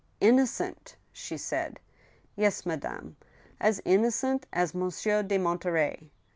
" Innocent !" she said. " Yes, madame ; as innocent as Monsieur de Monterey